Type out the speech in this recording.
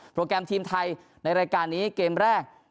โปรแกรมทีมไทยนี้นัทรายกาลนี้เกมแรก